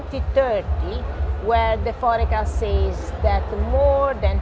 di mana foreca mengatakan